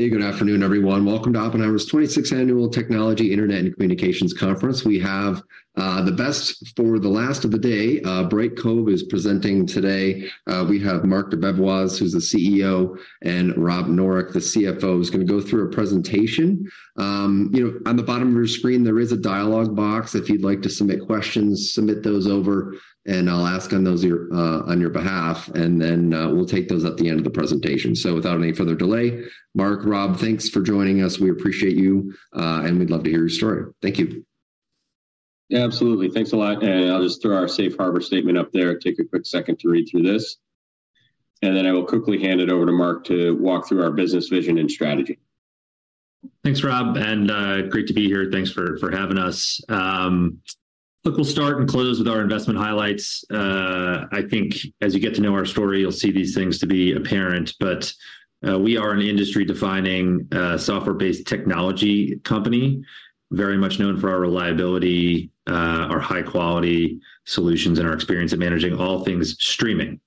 Hey, good afternoon, everyone. Welcome to Oppenheimer's 26th Annual Technology, Internet, and Communications Conference. We have the best for the last of the day. Brightcove is presenting today. We have Marc DeBevoise, who's the CEO, and Rob Noreck, the CFO, who's gonna go through a presentation. You know, on the bottom of your screen, there is a dialogue box. If you'd like to submit questions, submit those over, and I'll ask him those your on your behalf, and then we'll take those at the end of the presentation. Without any further delay, Marc, Rob, thanks for joining us. We appreciate you, we'd love to hear your story. Thank you. Absolutely. Thanks a lot, and I'll just throw our safe harbor statement up there. Take a quick second to read through this, and then I will quickly hand it over to Marc to walk through our business vision and strategy. Thanks, Rob, and great to be here. Thanks for, for having us. Look, we'll start and close with our investment highlights. I think as you get to know our story, you'll see these things to be apparent, but we are an industry-defining, software-based technology company, very much known for our reliability, our high-quality solutions, and our experience in managing all things streaming.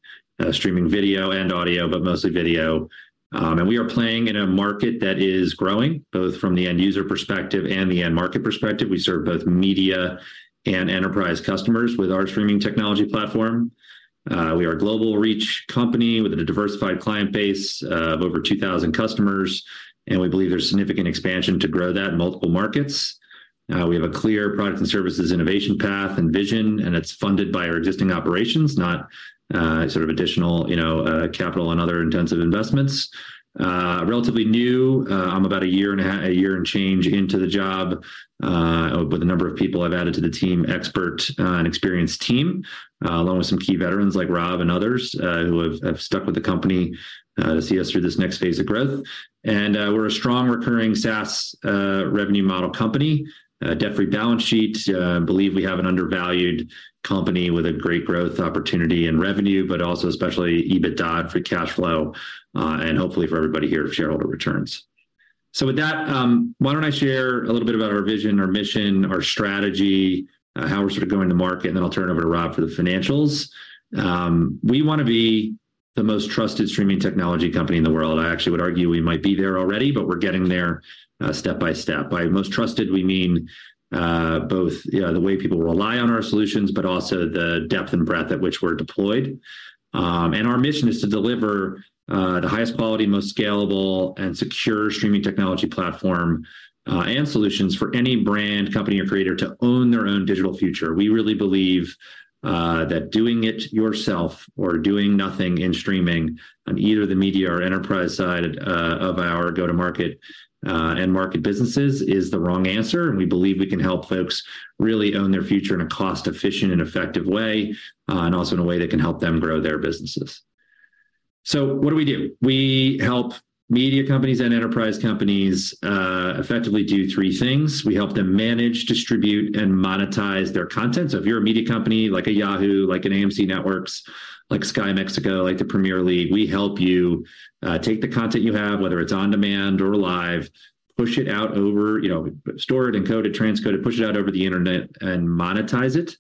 Streaming video and audio, but mostly video. We are playing in a market that is growing, both from the end-user perspective and the end-market perspective. We serve both media and enterprise customers with our streaming technology platform. We are a global reach company with a diversified client base of over 2,000 customers, and we believe there's significant expansion to grow that in multiple markets. We have a clear product and services innovation path and vision, and it's funded by our existing operations, not, sort of additional, you know, capital and other intensive investments. Relatively new, I'm about a year and a half-- a year and change into the job, but the number of people I've added to the team, expert, and experienced team, along with some key veterans, like Rob and others, who have, have stuck with the company, to see us through this next phase of growth. We're a strong recurring SaaS revenue model company, a debt-free balance sheet. I believe we have an undervalued company with a great growth opportunity and revenue, but also especially EBITDA, free cash flow, and hopefully for everybody here, shareholder returns. With that, why don't I share a little bit about our vision, our mission, our strategy, how we're sort of going to market, and then I'll turn it over to Rob for the financials. We wanna be the most trusted streaming technology company in the world. I actually would argue we might be there already, but we're getting there, step by step. By most trusted, we mean, both, you know, the way people rely on our solutions, but also the depth and breadth at which we're deployed. Our mission is to deliver, the highest quality, most scalable and secure streaming technology platform, and solutions for any brand, company, or creator to own their own digital future. We really believe that doing it yourself or doing nothing in streaming on either the media or enterprise side of our go-to-market and market businesses is the wrong answer, and we believe we can help folks really own their future in a cost-efficient and effective way and also in a way that can help them grow their businesses. What do we do? We help media companies and enterprise companies effectively do three things. We help them manage, distribute, and monetize their content. If you're a media company, like a Yahoo, like an AMC Networks, like Sky Mexico, like the Premier League, we help you take the content you have, whether it's on demand or live, push it out over, you know, store it, encode it, transcode it, push it out over the internet, and monetize it.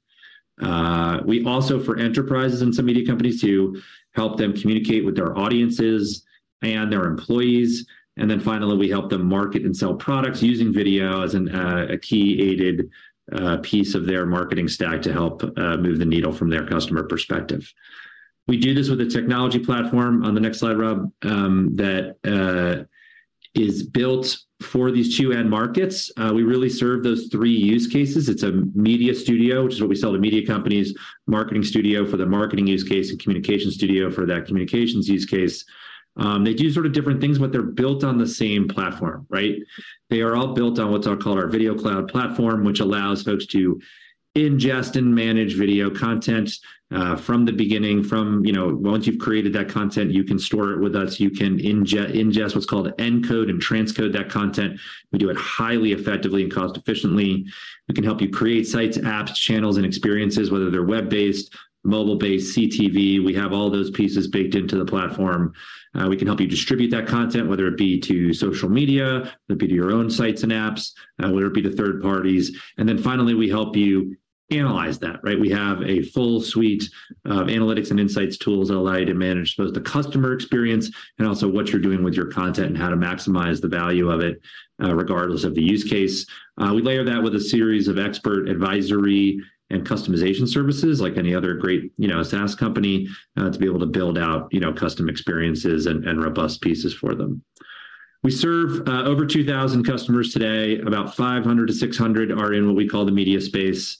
We also, for enterprises and some media companies, too, help them communicate with their audiences and their employees. Then finally, we help them market and sell products using video as a key aided piece of their marketing stack to help move the needle from their customer perspective. We do this with a technology platform, on the next slide, Rob, that is built for these two end markets. We really serve those three use cases. It's a Media Studio, which is what we sell to media companies, Marketing Studio for the marketing use case, and Communications Studio for that communications use case. They do sort of different things, but they're built on the same platform, right? They are all built on what's called our Video Cloud platform, which allows folks to ingest and manage video content from the beginning, from... You know, once you've created that content, you can store it with us. You can ingest what's called encode and transcode that content. We do it highly effectively and cost efficiently. We can help you create sites, apps, channels, and experiences, whether they're web-based, mobile-based, CTV. We have all those pieces baked into the platform. We can help you distribute that content, whether it be to social media, whether it be to your own sites and apps, whether it be to third parties. Then finally, we help you analyze that, right? We have a full suite of analytics and insights tools that allow you to manage both the customer experience and also what you're doing with your content and how to maximize the value of it, regardless of the use case. We layer that with a series of expert advisory and customization services, like any other great, you know, SaaS company, to be able to build out, you know, custom experiences and, and robust pieces for them. We serve over 2,000 customers today. About 500-600 are in what we call the media space.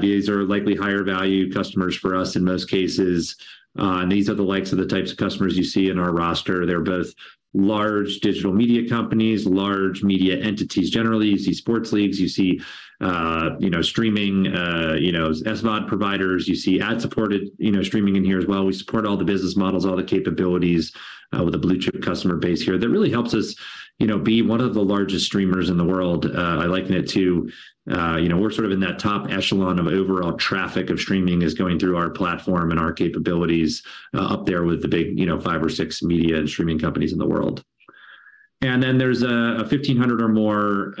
These are likely higher-value customers for us in most cases, and these are the likes of the types of customers you see in our roster. They're both large digital media companies, large media entities. Generally, you see sports leagues, you see, you know, streaming, you know, SVOD providers. You see ad-supported, you know, streaming in here as well. We support all the business models, all the capabilities, with a blue-chip customer base here. That really helps us, you know, be one of the largest streamers in the world. I liken it to, you know, we're sort of in that top echelon of overall traffic of streaming is going through our platform and our capabilities, up there with the big, you know, five or six media and streaming companies in the world. Then there's a 1,500 or more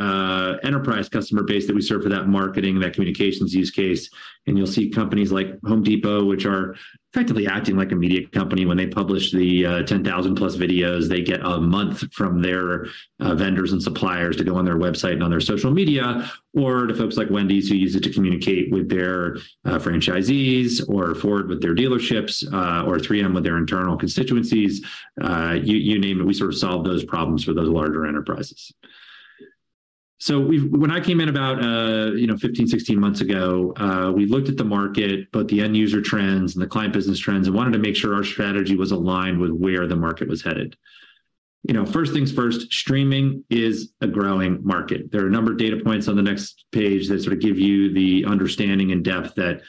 enterprise customer base that we serve for that marketing, that communications use case. You'll see companies like Home Depot, which are effectively acting like a media company when they publish the 10,000+ videos they get a month from their vendors and suppliers to go on their website and on their social media. To folks like Wendy's, who use it to communicate with their franchisees, or Ford with their dealerships, or 3M with their internal constituencies. You, you name it, we sort of solve those problems for those larger enterprises. We've-- when I came in about, you know, 15, 16 months ago, we looked at the market, both the end user trends and the client business trends, and wanted to make sure our strategy was aligned with where the market was headed. You know, first things first, streaming is a growing market. There are a number of data points on the next page that sort of give you the understanding and depth that,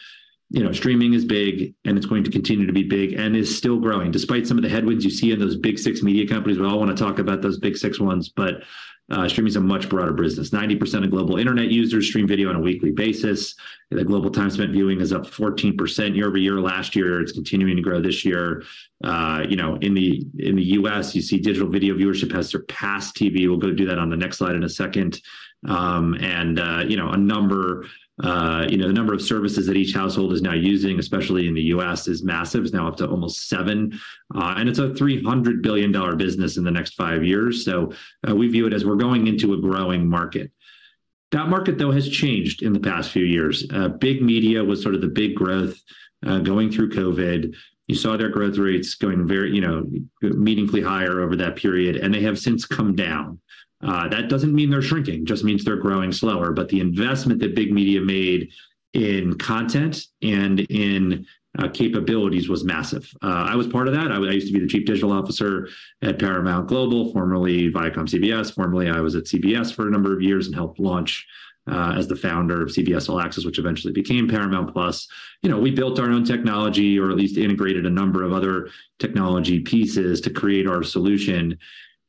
you know, streaming is big, and it's going to continue to be big, and is still growing, despite some of the headwinds you see in those big 6 media companies. We all want to talk about those big 6 ones, but streaming is a much broader business. 90% of global internet users stream video on a weekly basis. The global time spent viewing is up 14% year-over-year, last year. It's continuing to grow this year. You know, in the U.S., you see digital video viewership has surpassed TV. We'll go do that on the next slide in a second. You know, a number, you know, the number of services that each household is now using, especially in the U.S., is massive. It's now up to almost 7, and it's a $300 billion business in the next 5 years. We view it as we're going into a growing market. That market, though, has changed in the past few years. Big media was sort of the big growth, going through COVID. You saw their growth rates going very, you know, meaningfully higher over that period, and they have since come down. That doesn't mean they're shrinking, it just means they're growing slower. The investment that big media made in content and in capabilities was massive. I was part of that. I used to be the chief digital officer at Paramount Global, formerly ViacomCBS. Formerly, I was at CBS for a number of years and helped launch, as the founder of CBS All Access, which eventually became Paramount+. You know, we built our own technology, or at least integrated a number of other technology pieces to create our solution.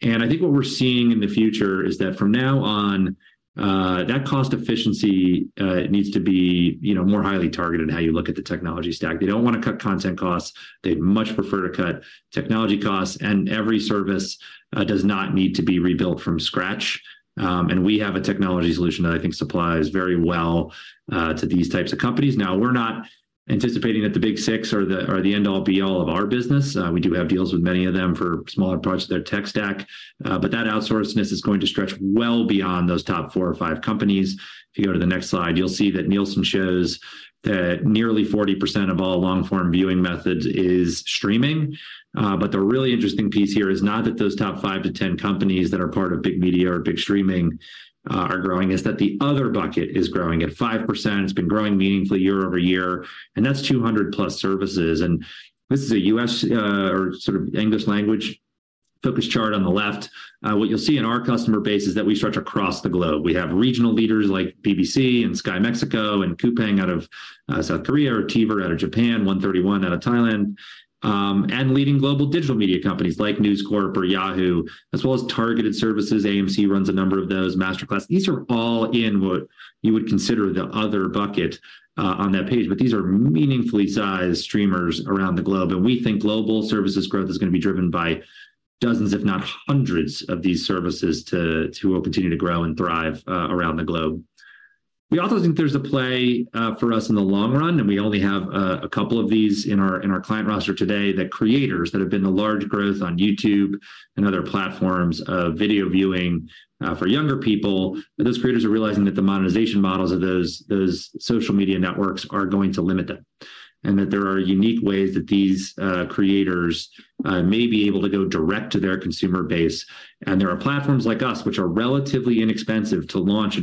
I think what we're seeing in the future is that from now on, that cost efficiency needs to be, you know, more highly targeted in how you look at the technology stack. They don't want to cut content costs. They'd much prefer to cut technology costs, and every service does not need to be rebuilt from scratch. And we have a technology solution that I think supplies very well to these types of companies. Now, we're not anticipating that the big six are the, are the end-all be-all of our business. We do have deals with many of them for smaller parts of their tech stack, but that outsourcedness is going to stretch well beyond those top four or five companies. If you go to the next slide, you'll see that Nielsen shows that nearly 40% of all long-form viewing methods is streaming. The really interesting piece here is not that those top 5-10 companies that are part of big media or big streaming are growing, it's that the other bucket is growing at 5%. It's been growing meaningfully year-over-year, that's 200+ services. This is a U.S. or sort of English language-focused chart on the left. What you'll see in our customer base is that we stretch across the globe. We have regional leaders like BBC and Sky Mexico and Coupang out of South Korea, or TVer out of Japan, One 31 out of Thailand, and leading global digital media companies like News Corp or Yahoo, as well as targeted services. AMC runs a number of those, MasterClass. These are all in what you would consider the other bucket on that page, but these are meaningfully sized streamers around the globe. We think global services growth is gonna be driven by dozens, if not hundreds, of these services to, to continue to grow and thrive around the globe. We also think there's a play for us in the long run, and we only have a couple of these in our client roster today, the creators that have been the large growth on YouTube and other platforms of video viewing for younger people. Those creators are realizing that the monetization models of those, those social media networks are going to limit them, and that there are unique ways that these creators may be able to go direct-to-consumer base. There are platforms like us, which are relatively inexpensive to launch a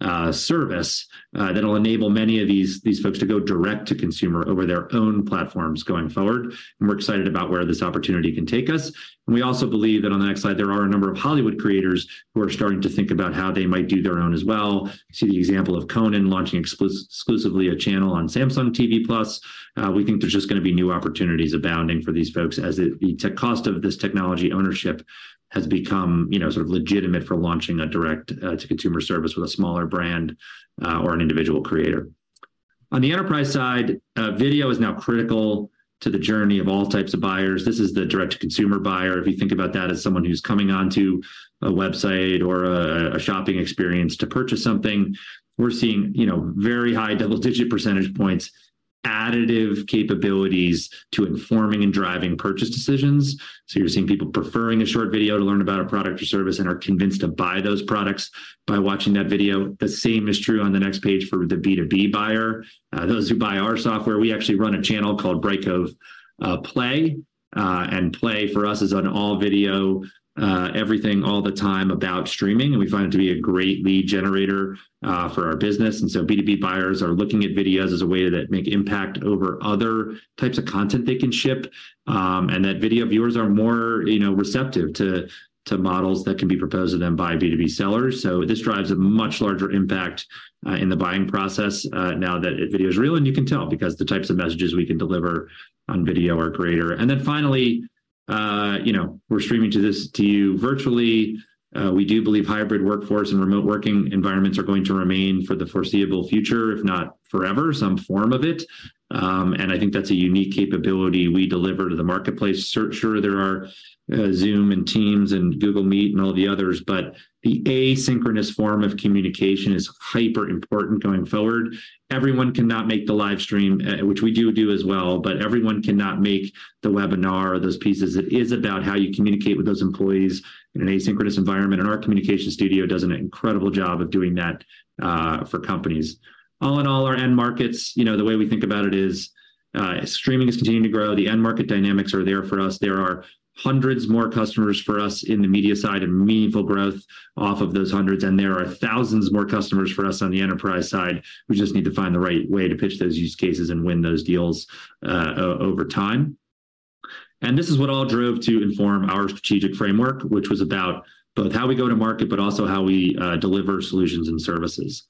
direct-to-consumer service that will enable many of these, these folks to go direct to consumer over their own platforms going forward. We're excited about where this opportunity can take us. We also believe that on the next slide, there are a number of Hollywood creators who are starting to think about how they might do their own as well. You see the example of Conan launching exclusively a channel on Samsung TV Plus. We think there's just gonna be new opportunities abounding for these folks as the, the cost of this technology ownership has become, you know, sort of legitimate for launching a direct to consumer service with a smaller brand or an individual creator. On the enterprise side, video is now critical to the journey of all types of buyers. This is the direct-to-consumer buyer. If you think about that as someone who's coming onto a website or a shopping experience to purchase something, we're seeing, you know, very high double-digit percentage points, additive capabilities to informing and driving purchase decisions. So you're seeing people preferring a short video to learn about a product or service and are convinced to buy those products by watching that video. The same is true on the next page for the B2B buyer. Those who buy our software, we actually run a channel called Brightcove Play. And Play for us is an all-video, everything all the time about streaming, and we find it to be a great lead generator for our business. B2B buyers are looking at videos as a way that make impact over other types of content they can ship. That video viewers are more, you know, receptive to, to models that can be proposed to them by B2B sellers. This drives a much larger impact in the buying process now that video is real. You can tell because the types of messages we can deliver on video are greater. Finally, you know, we're streaming to this to you virtually. We do believe hybrid workforce and remote working environments are going to remain for the foreseeable future, if not forever, some form of it. I think that's a unique capability we deliver to the marketplace. Sure, sure, there are Zoom and Teams and Google Meet and all the others. The asynchronous form of communication is hyper important going forward. Everyone cannot make the live stream, which we do do as well. Everyone cannot make the webinar or those pieces. It is about how you communicate with those employees in an asynchronous environment. Our Communications Studio does an incredible job of doing that for companies. All in all, our end markets, you know, the way we think about it is, streaming is continuing to grow. The end market dynamics are there for us. There are hundreds more customers for us in the media side and meaningful growth off of those hundreds. There are thousands more customers for us on the enterprise side. We just need to find the right way to pitch those use cases and win those deals, over time. This is what all drove to inform our strategic framework, which was about both how we go to market, but also how we deliver solutions and services.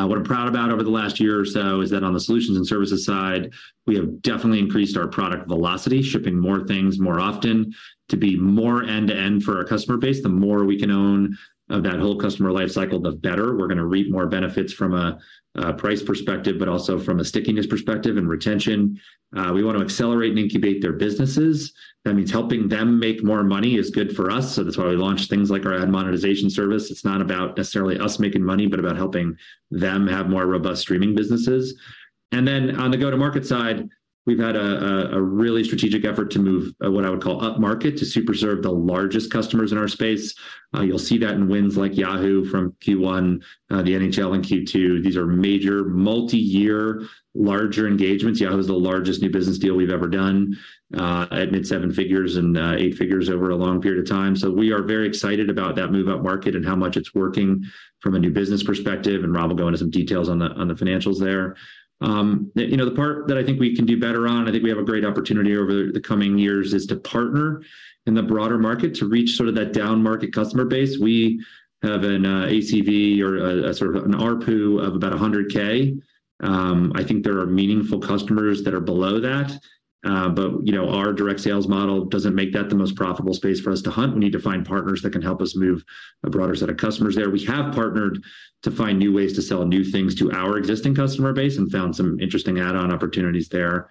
What I'm proud about over the last year or so is that on the solutions and services side, we have definitely increased our product velocity, shipping more things more often to be more end-to-end for our customer base. The more we can own of that whole customer life cycle, the better. We're gonna reap more benefits from a price perspective, but also from a stickiness perspective and retention. We want to accelerate and incubate their businesses. That means helping them make more money is good for us, so that's why we launched things like our ad monetization service. It's not about necessarily us making money, but about helping them have more robust streaming businesses. On the go-to-market side, we've had a really strategic effort to move what I would call upmarket to super serve the largest customers in our space. You'll see that in wins like Yahoo from Q1, the NHL in Q2. These are major multiyear larger engagements. Yahoo is the largest new business deal we've ever done at mid $7 figures and $8 figures over a long period of time. We are very excited about that move-up market and how much it's working from a new business perspective, and Rob will go into some details on the financials there. You know, the part that I think we can do better on, I think we have a great opportunity over the coming years, is to partner in the broader market to reach sort of that downmarket customer base. We have an ACV or a sort of an ARPU of about $100K. I think there are meaningful customers that are below that, but, you know, our direct sales model doesn't make that the most profitable space for us to hunt. We need to find partners that can help us move a broader set of customers there. We have partnered to find new ways to sell new things to our existing customer base and found some interesting add-on opportunities there.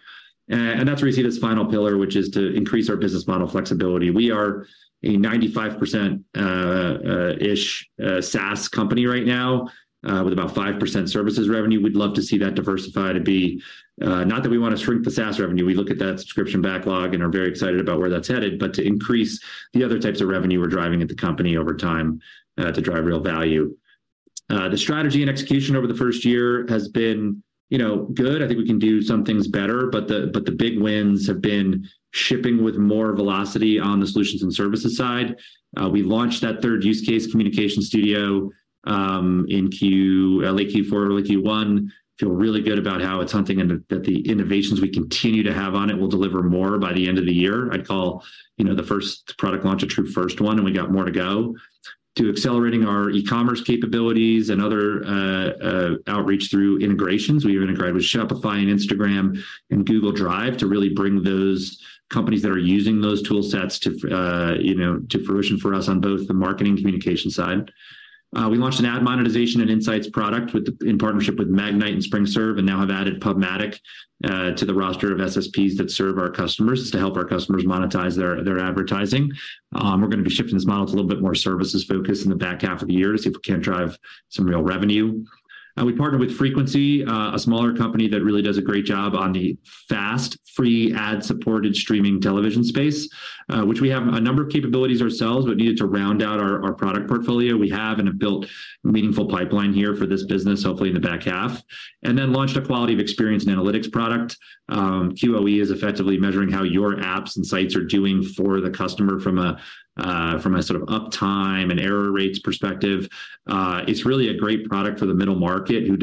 That's where we see this final pillar, which is to increase our business model flexibility. We are a 95% ish SaaS company right now, with about 5% services revenue. We'd love to see that diversify to be-- not that we want to shrink the SaaS revenue. We look at that subscription backlog and are very excited about where that's headed, but to increase the other types of revenue we're driving at the company over time, to drive real value. The strategy and execution over the first year has been, you know, good. I think we can do some things better, but the, but the big wins have been shipping with more velocity on the solutions and services side. We launched that third use case Communications Studio in Q... late Q4, early Q1. Feel really good about how it's hunting and that the innovations we continue to have on it will deliver more by the end of the year. I'd call, you know, the first product launch a true first one, and we got more to go. To accelerating our e-commerce capabilities and other outreach through integrations. We integrated with Shopify and Instagram and Google Drive to really bring those companies that are using those tool sets, you know, to fruition for us on both the marketing communication side. We launched an ad monetization and insights product with the, in partnership with Magnite and SpringServe, and now have added PubMatic to the roster of SSPs that serve our customers to help our customers monetize their, their advertising. We're gonna be shifting this model to a little bit more services focus in the back half of the year to see if we can't drive some real revenue. We partnered with Frequency, a smaller company that really does a great job on the FAST, free, ad-supported, streaming television space, which we have a number of capabilities ourselves, but needed to round out our product portfolio. We have and have built a meaningful pipeline here for this business, hopefully in the back half. Launched a quality of experience and analytics product. QoE is effectively measuring how your apps and sites are doing for the customer from a sort of uptime and error rates perspective. It's really a great product for the middle market who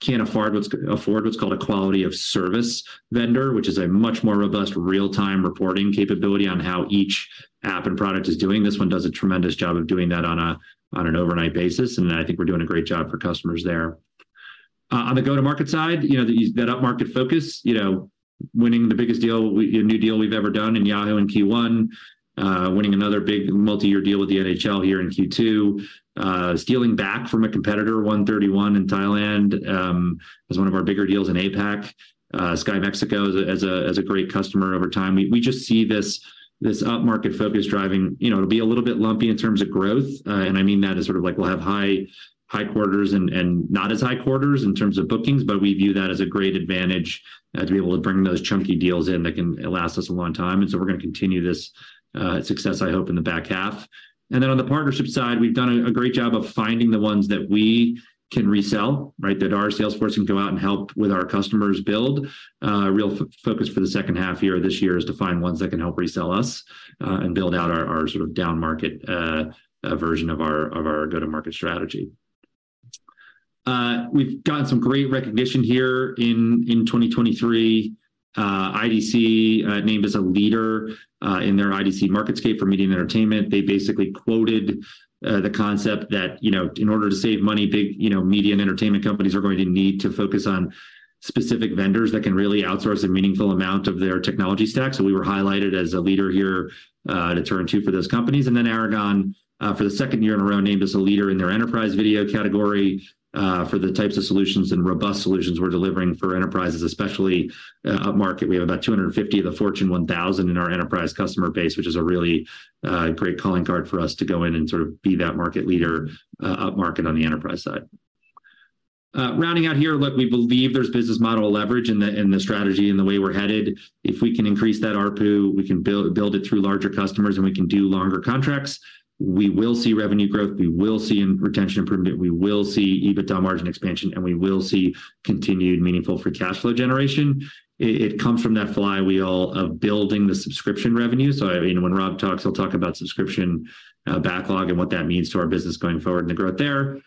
can't afford what's called a quality-of-service vendor, which is a much more robust real-time reporting capability on how each app and product is doing. This one does a tremendous job of doing that on an overnight basis, and I think we're doing a great job for customers there. On the go-to-market side, you know, that upmarket focus, you know, winning the biggest new deal we've ever done in Yahoo in Q1. Winning another big multi-year deal with the NHL here in Q2. Stealing back from a competitor, One 31 in Thailand, is one of our bigger deals in APAC. Sky Mexico as a great customer over time. We just see this upmarket focus driving... You know, it'll be a little bit lumpy in terms of growth, and I mean that as sort of like we'll have high, high quarters and not as high quarters in terms of bookings, but we view that as a great advantage to be able to bring those chunky deals in that can last us a long time. We're gonna continue this success, I hope, in the back half. On the partnership side, we've done a great job of finding the ones that we can resell, right? That our sales force can go out and help with our customers build. A real focus for the second half year, this year, is to find ones that can help resell us and build out our, our sort of downmarket version of our, of our go-to-market strategy. We've gotten some great recognition here in, in 2023. IDC named as a leader in their IDC MarketScape for media and entertainment. They basically quoted the concept that, you know, in order to save money, big, you know, media and entertainment companies are going to need to focus on specific vendors that can really outsource a meaningful amount of their technology stack. We were highlighted as a leader here to turn to for those companies. Aragon for the second year in a row, named as a leader in their enterprise video category for the types of solutions and robust solutions we're delivering for enterprises, especially upmarket. We have about 250 of the Fortune 1000 in our enterprise customer base, which is a really great calling card for us to go in and sort of be that market leader upmarket on the enterprise side. Rounding out here, look, we believe there's business model leverage in the, in the strategy and the way we're headed. If we can increase that ARPU, we can build, build it through larger customers, and we can do longer contracts. We will see revenue growth, we will see retention improvement, we will see EBITDA margin expansion, and we will see continued meaningful free cash flow generation. It, it comes from that flywheel of building the subscription revenue. I mean, when Rob talks, he'll talk about subscription backlog and what that means to our business going forward and the growth there.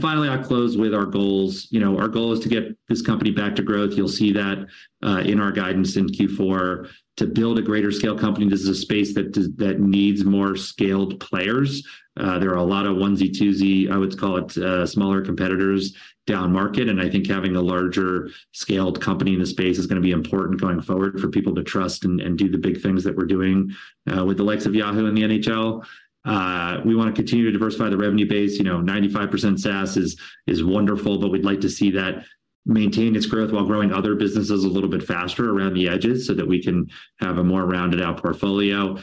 Finally, I'll close with our goals. You know, our goal is to get this company back to growth. You'll see that, in our guidance in Q4. To build a greater scale company, this is a space that needs more scaled players. There are a lot of onesie, twosie, I would call it, smaller competitors downmarket, and I think having a larger-scaled company in the space is gonna be important going forward for people to trust and, and do the big things that we're doing, with the likes of Yahoo and the NHL. We wanna continue to diversify the revenue base. You know, 95% SaaS is, is wonderful, but we'd like to see that maintain its growth while growing other businesses a little bit faster around the edges so that we can have a more rounded-out portfolio.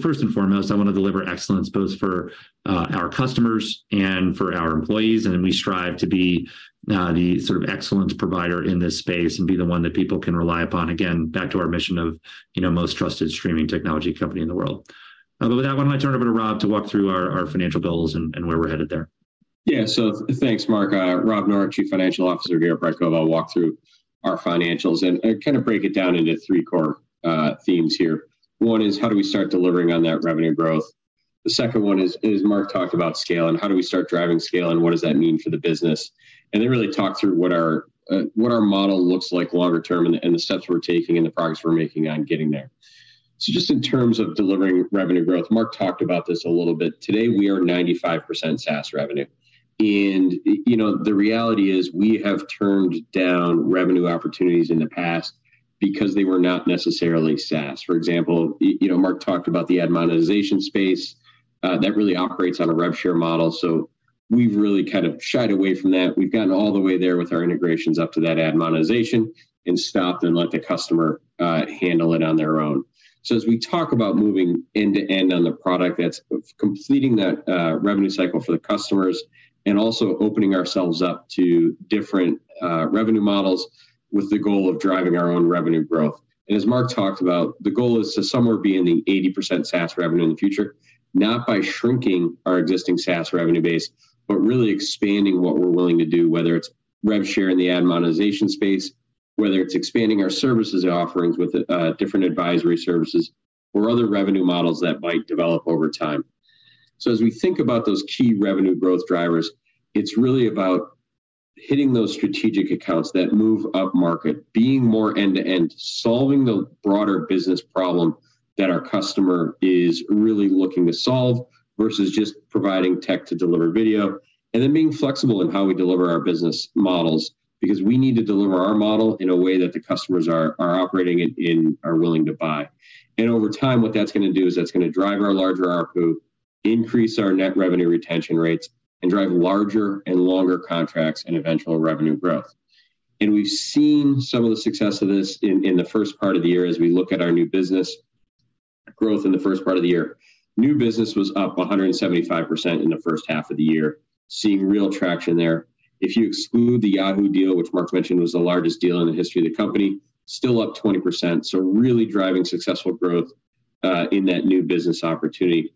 First and foremost, I wanna deliver excellence both for our customers and for our employees, and we strive to be the sort of excellence provider in this space and be the one that people can rely upon. Again, back to our mission of, you know, most trusted streaming technology company in the world. With that, I want to turn it over to Rob to walk through our financial goals and where we're headed there. Yeah. Thanks, Marc. Rob Noreck, Chief Financial Officer here at Brightcove. I'll walk through our financials and, and kind of break it down into three core themes here. One is: How do we start delivering on that revenue growth? The second one is, is Marc talked about scale, and how do we start driving scale, and what does that mean for the business? Then really talk through what our model looks like longer term and, and the steps we're taking and the progress we're making on getting there. Just in terms of delivering revenue growth, Marc talked about this a little bit. Today, we are 95% SaaS revenue, and, you know, the reality is we have turned down revenue opportunities in the past because they were not necessarily SaaS. For example, you know, Marc talked about the ad monetization space. That really operates on a rev share model, so we've really kind of shied away from that. We've gotten all the way there with our integrations up to that ad monetization and stopped and let the customer handle it on their own. As we talk about moving end-to-end on the product, that's completing that revenue cycle for the customers and also opening ourselves up to different revenue models with the goal of driving our own revenue growth. As Marc talked about, the goal is to somewhere be in the 80% SaaS revenue in the future, not by shrinking our existing SaaS revenue base, but really expanding what we're willing to do, whether it's rev share in the ad monetization space, whether it's expanding our services offerings with different advisory services or other revenue models that might develop over time. As we think about those key revenue growth drivers, it's really about hitting those strategic accounts that move upmarket, being more end-to-end, solving the broader business problem that our customer is really looking to solve, versus just providing tech to deliver video, and then being flexible in how we deliver our business models, because we need to deliver our model in a way that the customers are, are operating in, and are willing to buy. Over time, what that's gonna do is that's gonna drive our larger ARPU, increase our net revenue retention rates, and drive larger and longer contracts and eventual revenue growth. We've seen some of the success of this in, in the first part of the year as we look at our new business growth in the first part of the year. New business was up 175% in the first half of the year, seeing real traction there. If you exclude the Yahoo deal, which Marc mentioned was the largest deal in the history of the company, still up 20%. Really driving successful growth in that new business opportunity.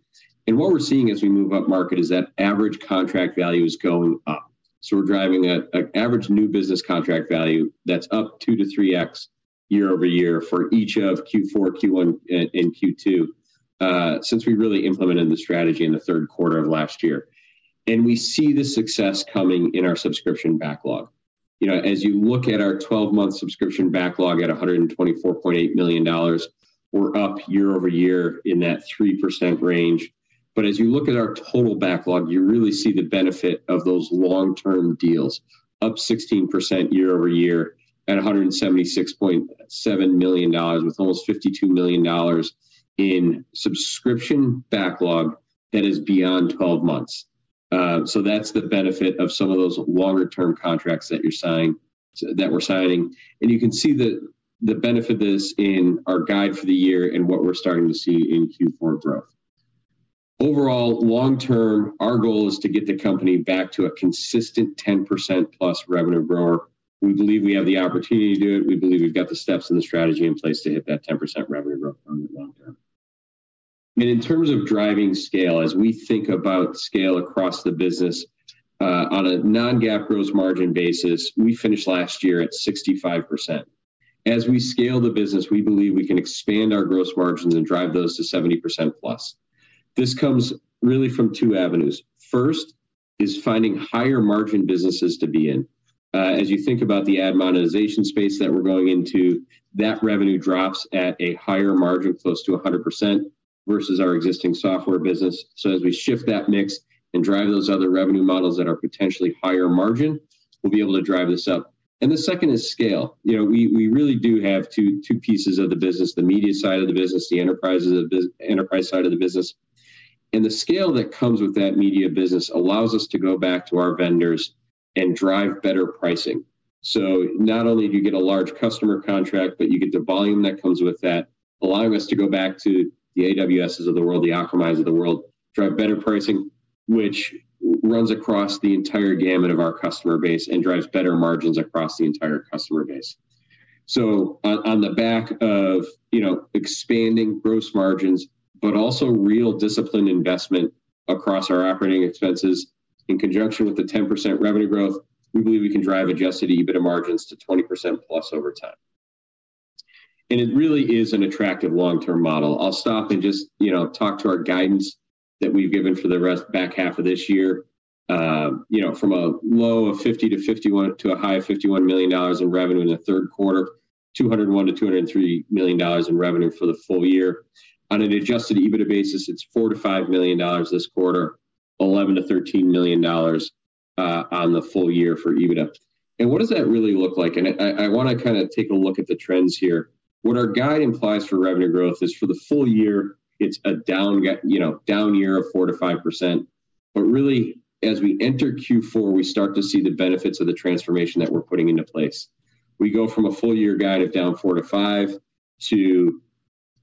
What we're seeing as we move upmarket is that average contract value is going up. We're driving an average new business contract value that's up 2x-3x year-over-year for each of Q4, Q1, and Q2, since we really implemented the strategy in the third quarter of last year. We see the success coming in our subscription backlog. You know, as you look at our 12-month subscription backlog at $124.8 million, we're up year-over-year in that 3% range. As you look at our total backlog, you really see the benefit of those long-term deals, up 16% year-over-year at $176.7 million, with almost $52 million in subscription backlog that is beyond 12 months. That's the benefit of some of those longer-term contracts that you're signing, that we're signing. You can see the, the benefit of this in our guide for the year and what we're starting to see in Q4 growth. Overall, long term, our goal is to get the company back to a consistent 10%+ revenue grower. We believe we have the opportunity to do it. We believe we've got the steps and the strategy in place to hit that 10% revenue growth on the long term. In terms of driving scale, as we think about scale across the business, on a non-GAAP gross margin basis, we finished last year at 65%. As we scale the business, we believe we can expand our gross margins and drive those to 70%+. This comes really from two avenues. First, is finding higher margin businesses to be in. As you think about the ad monetization space that we're going into, that revenue drops at a higher margin, close to 100%, versus our existing software business. As we shift that mix and drive those other revenue models that are potentially higher margin, we'll be able to drive this up. The second is scale. You know, we, we really do have two, two pieces of the business, the media side of the business, the enterprise side of the business. The scale that comes with that media business allows us to go back to our vendors and drive better pricing. Not only do you get a large customer contract, but you get the volume that comes with that, allowing us to go back to the AWSs of the world, the Akamais of the world, drive better pricing, which runs across the entire gamut of our customer base and drives better margins across the entire customer base. On the back of, you know, expanding gross margins, but also real disciplined investment across our operating expenses in conjunction with the 10% revenue growth, we believe we can drive Adjusted EBITDA margins to 20%+ over time. It really is an attractive long-term model. I'll stop and just, you know, talk to our guidance that we've given for the rest back half of this year. You know, from a low of $50 million-$51 million, to a high of $51 million in revenue in the third quarter, $201 million-$203 million in revenue for the full year. On an Adjusted EBITDA basis, it's $4 million-$5 million this quarter, $11 million-$13 million on the full year for EBITDA. What does that really look like? I, I wanna kinda take a look at the trends here. What our guide implies for revenue growth is for the full year, it's a down guide- you know, down year of 4%-5%. Really, as we enter Q4, we start to see the benefits of the transformation that we're putting into place. We go from a full year guide of down 4%-5%, to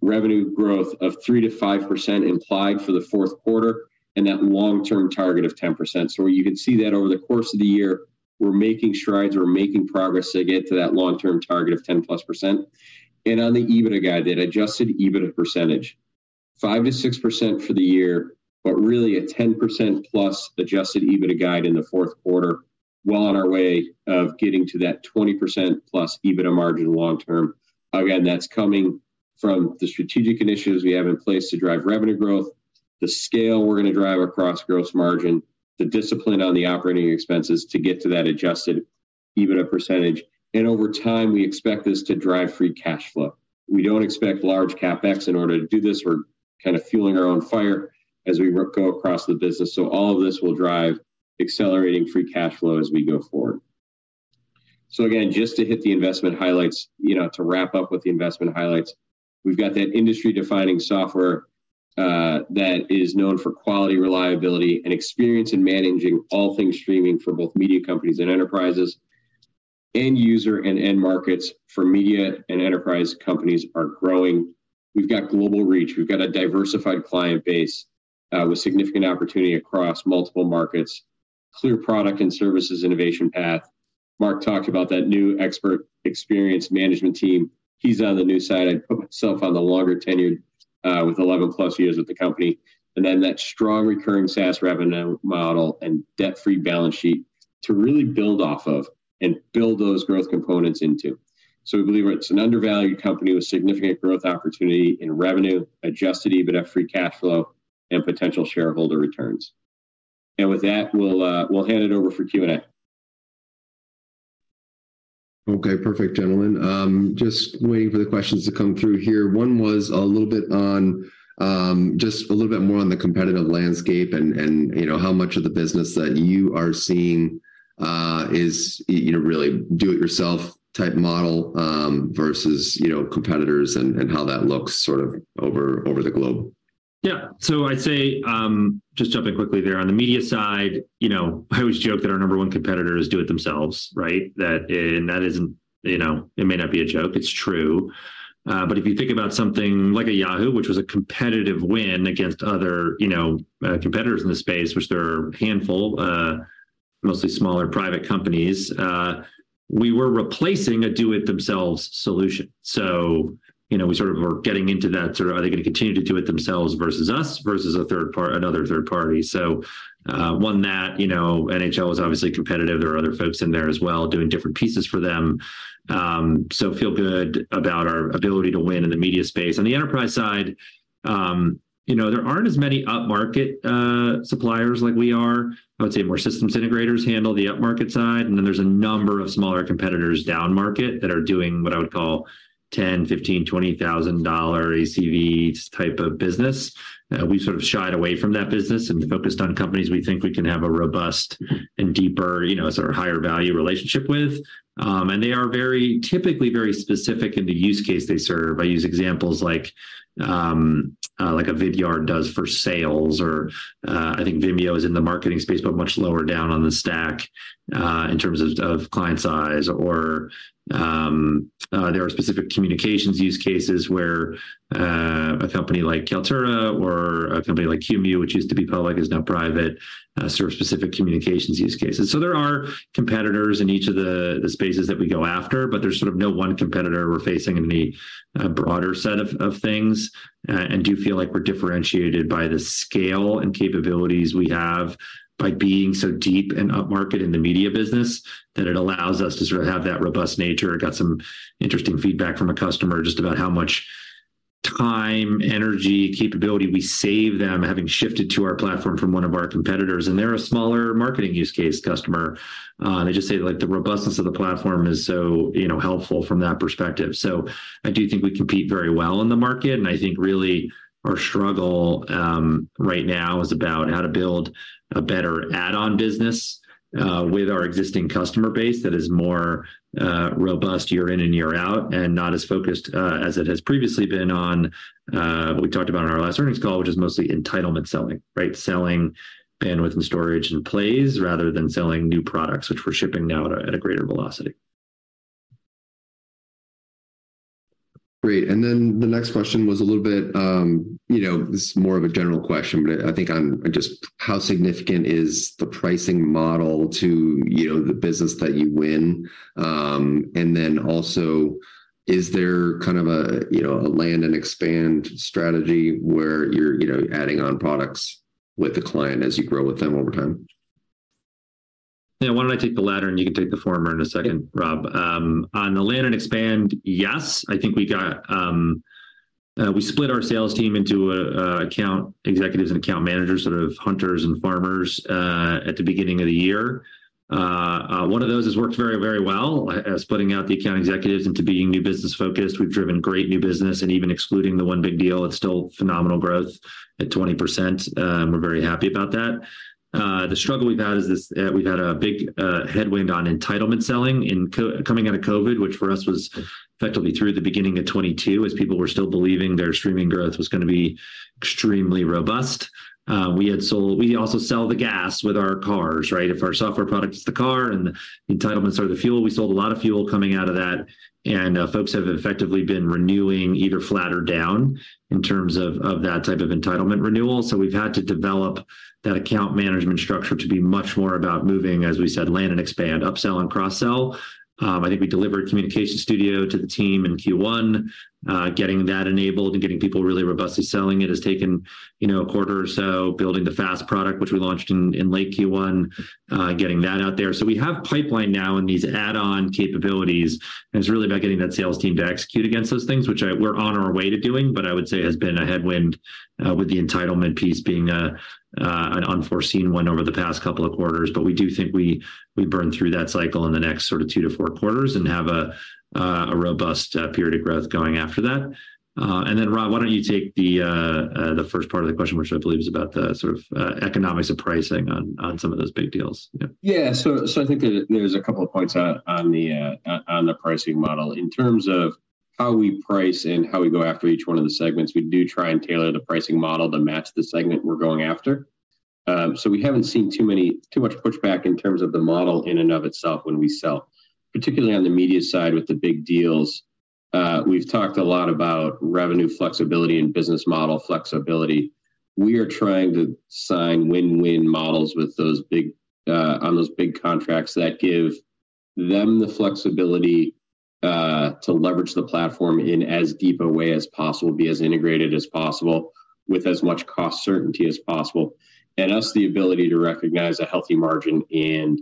revenue growth of 3%-5% implied for the fourth quarter, and that long-term target of 10%. You can see that over the course of the year, we're making strides, we're making progress to get to that long-term target of 10%+. On the EBITDA guide, that Adjusted EBITDA percentage, 5%-6% for the year, but really a 10%+ Adjusted EBITDA guide in the fourth quarter, well on our way of getting to that 20%+ EBITDA margin long term. That's coming from the strategic initiatives we have in place to drive revenue growth, the scale we're gonna drive across gross margin, the discipline on the OpEx to get to that Adjusted EBITDA percentage. Over time, we expect this to drive free cash flow. We don't expect large CapEx in order to do this. We're kind of fueling our own fire as we go across the business. All of this will drive accelerating free cash flow as we go forward. Again, just to hit the investment highlights, you know, to wrap up with the investment highlights, we've got that industry-defining software that is known for quality, reliability, and experience in managing all things streaming for both media companies and enterprises. End user and end markets for media and enterprise companies are growing. We've got global reach. We've got a diversified client base with significant opportunity across multiple markets, clear product and services innovation path. Marc talked about that new expert experience management team. He's on the new side. I'd put myself on the longer tenure, with 11+ years with the company, then that strong recurring SaaS revenue model and debt-free balance sheet to really build off of and build those growth components into. We believe it's an undervalued company with significant growth opportunity in revenue, Adjusted EBITDA free cash flow, and potential shareholder returns. With that, we'll, we'll hand it over for Q&A. Okay, perfect, gentlemen. Just waiting for the questions to come through here. One was a little bit on, just a little bit more on the competitive landscape and, and, you know, how much of the business that you are seeing, is, you know, really do-it-yourself type model, versus, you know, competitors and, and how that looks sort of over, over the globe? Yeah. I'd say, just jumping quickly there, on the media side, you know, I always joke that our number one competitor is do it themselves, right? That and that isn't... You know, it may not be a joke, it's true. If you think about something like a Yahoo, which was a competitive win against other, you know, competitors in the space, which there are a handful, mostly smaller private companies, we were replacing a do-it-themselves solution. You know, we sort of were getting into that sort of, are they gonna continue to do it themselves versus us, versus a third another third party. One that, you know, NHL is obviously competitive. There are other folks in there as well, doing different pieces for them. Feel good about our ability to win in the media space. On the enterprise side, you know, there aren't as many up-market suppliers like we are. I would say more systems integrators handle the up-market side. There's a number of smaller competitors down-market that are doing what I would call $10,000, $15,000, $20,000 ACV type of business. We've sort of shied away from that business and focused on companies we think we can have a robust and deeper, you know, sort of higher value relationship with. They are very, typically very specific in the use case they serve. I use examples like, like a Vidyard does for sales, or, I think Vimeo is in the marketing space, much lower down on the stack, in terms of client size. There are specific communications use cases where a company like Kaltura or a company like Qumu, which used to be public, is now private, serve specific communications use cases. There are competitors in each of the, the spaces that we go after, but there's sort of no one competitor we're facing in the broader set of, of things. Do feel like we're differentiated by the scale and capabilities we have by being so deep and upmarket in the media business, that it allows us to sort of have that robust nature. I got some interesting feedback from a customer just about how much- ability we save them having shifted to our platform from one of our competitors, and they're a smaller marketing use case customer. They just say, like, the robustness of the platform is so, you know, helpful from that perspective. So I do think we compete very well in the market, and I think really our struggle right now is about how to build a better add-on business with our existing customer base that is more robust year in and year out, and not as focused as it has previously been on what we talked about on our last earnings call, which is mostly entitlement selling, right? Selling bandwidth and storage and plays rather than selling new products, which we're shipping now at a greater velocity. Great. Then the next question was a little bit, you know, this is more of a general question, but I, I think how significant is the pricing model to, you know, the business that you win? Then also, is there kind of a, you know, a land and expand strategy where you're, you know, adding on products with the client as you grow with them over time? Yeah, why don't I take the latter, and you can take the former in a second, Rob. On the land and expand, yes, I think we got. We split our sales team into a account executives and account managers, sort of hunters and farmers, at the beginning of the year. One of those has worked very, very well, splitting out the account executives into being new business-focused. We've driven great new business, and even excluding the one big deal, it's still phenomenal growth at 20%. We're very happy about that. The struggle we've had is this, we've had a big headwind on entitlement selling in coming out of COVID, which, for us, was effectively through the beginning of 2022, as people were still believing their streaming growth was gonna be extremely robust. We had sold- we also sell the gas with our cars, right? If our software product is the car and the entitlements are the fuel, we sold a lot of fuel coming out of that. Folks have effectively been renewing either flat or down in terms of, of that type of entitlement renewal. We've had to develop that account management structure to be much more about moving, as we said, land and expand, upsell and cross-sell. I think we delivered Communications Studio to the team in Q1. Getting that enabled and getting people really robustly selling it has taken, you know, a quarter or so. Building the FAST product, which we launched in, in late Q1, getting that out there. We have pipeline now in these add-on capabilities, and it's really about getting that sales team to execute against those things, which we're on our way to doing, but I would say has been a headwind with the entitlement piece being an unforeseen one over the past 2 quarters. We do think we, we burn through that cycle in the next sort of 2-4 quarters and have a robust period of growth going after that. Then, Rob, why don't you take the first part of the question, which I believe is about the sort of economics of pricing on some of those big deals? Yeah. Yeah. I think there, there's a couple of points on the pricing model. In terms of how we price and how we go after each one of the segments, we do try and tailor the pricing model to match the segment we're going out after. We haven't seen too much pushback in terms of the model in and of itself when we sell. Particularly on the media side with the big deals, we've talked a lot about revenue flexibility and business model flexibility. We are trying to sign win-win models with those big on those big contracts that give them the flexibility to leverage the platform in as deep a way as possible, be as integrated as possible, with as much cost certainty as possible, and us the ability to recognize a healthy margin and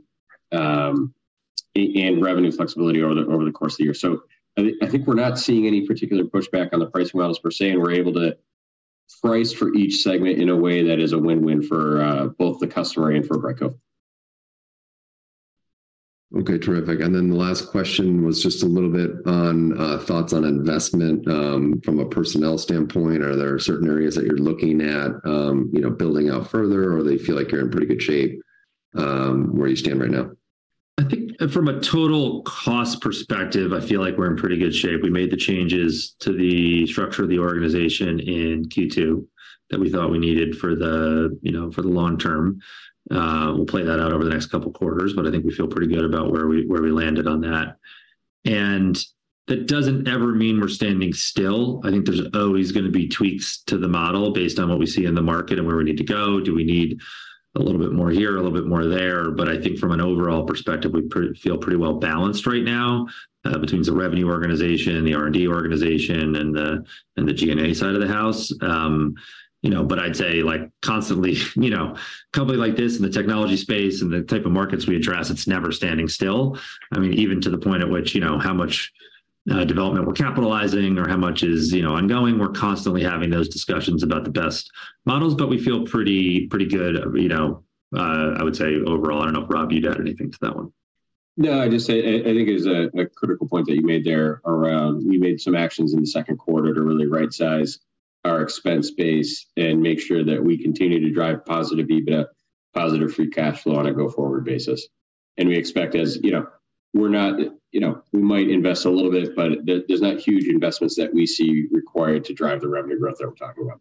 revenue flexibility over the, over the course of the year. I, I think we're not seeing any particular pushback on the pricing models per se, and we're able to price for each segment in a way that is a win-win for both the customer and for Brightcove. Okay, terrific. Then the last question was just a little bit on thoughts on investment. From a personnel standpoint, are there certain areas that you're looking at, you know, building out further, or do you feel like you're in pretty good shape where you stand right now? I think from a total cost perspective, I feel like we're in pretty good shape. We made the changes to the structure of the organization in Q2 that we thought we needed for the, you know, for the long term. We'll play that out over the next couple of quarters, but I think we feel pretty good about where we, where we landed on that. That doesn't ever mean we're standing still. I think there's always gonna be tweaks to the model based on what we see in the market and where we need to go. Do we need a little bit more here, a little bit more there? I think from an overall perspective, we feel pretty well-balanced right now, between the revenue organization, the R&D organization, and the, and the G&A side of the house. You know, I'd say, like, constantly, you know, a company like this in the technology space and the type of markets we address, it's never standing still. I mean, even to the point at which, you know, how much development we're capitalizing or how much is, you know, ongoing, we're constantly having those discussions about the best models. We feel pretty, pretty good, you know, I would say overall. I don't know if, Rob, you'd add anything to that one. No, I'd just say, I, I think it's a, a critical point that you made there around. We made some actions in the second quarter to really rightsize our expense base and make sure that we continue to drive positive EBITDA, positive free cash flow on a go-forward basis. We expect you know, we're not, you know, we might invest a little bit, but there, there's not huge investments that we see required to drive the revenue growth that we're talking about.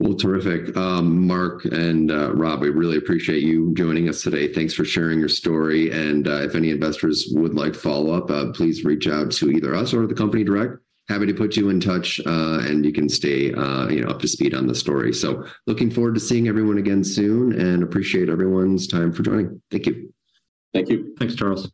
Well, terrific. Marc and Rob, I really appreciate you joining us today. Thanks for sharing your story, and if any investors would like follow-up, please reach out to either us or the company direct. Happy to put you in touch, and you can stay, you know, up to speed on the story. Looking forward to seeing everyone again soon and appreciate everyone's time for joining. Thank you. Thank you. Thanks, Charles.